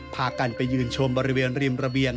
พากันไปยืนชมบริเวณริมระเบียง